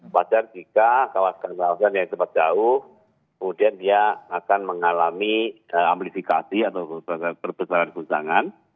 wajar jika kekuatan kekuatan yang cepat jauh kemudian dia akan mengalami amplifikasi atau perbesaran guncangan